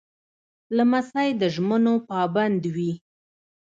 لمسی د ژمنو پابند وي.